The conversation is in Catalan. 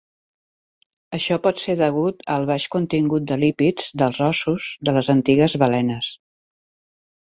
Això pot ser degut al baix contingut de lípids dels ossos de les antigues balenes.